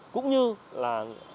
cũng như là